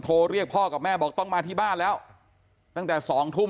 โทรเรียกพ่อกับแม่บอกต้องมาที่บ้านแล้วตั้งแต่สองทุ่ม